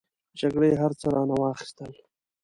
جګړې هر څه رانه واخستل.